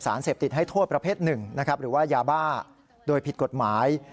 สารเสพติดให้โทษประเภทหนึ่งนะครับหรือว่ายาบ้าโดยผิดกฎหมาย